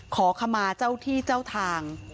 ขอขมาเจ้าที่เจ้าทาง